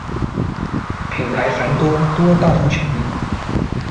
品牌繁多，多大同小异。